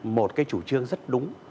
một cái chủ trương rất đúng